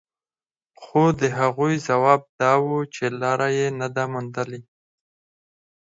خو د هغوی ځواب دا و چې لاره يې نه ده موندلې.